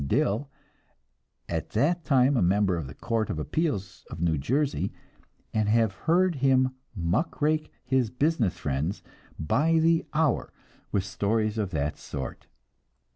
Dill, at that time a member of the Court of Appeals of New Jersey and have heard him "muck rake" his business friends by the hour with stories of that sort.